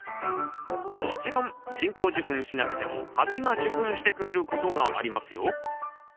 もちろん人工授粉しなくても蜂が受粉してくれることがありますよ